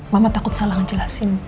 mama takut salah ngejelasin